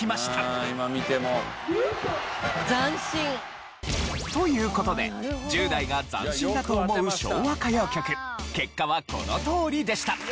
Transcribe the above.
斬新。という事で１０代が斬新だと思う昭和歌謡曲結果はこのとおりでした。